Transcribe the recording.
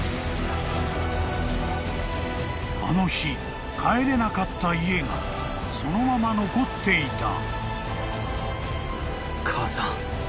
［あの日帰れなかった家がそのまま残っていた］